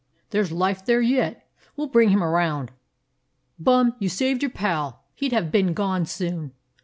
"There 's life there yet. We 'll bring him around. Bum, you saved your pal; he 'd have been gone soon.